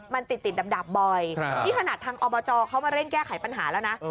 มันติดติดดับบ่อยนี่ขนาดทางอบจเขามาเร่งแก้ไขปัญหาแล้วนะ